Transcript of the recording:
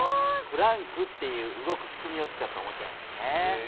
「クランク」っていう動く仕組みを使ったおもちゃやねんで。